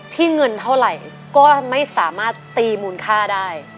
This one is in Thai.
เงินเท่าไหร่ก็ไม่สามารถตีมูลค่าได้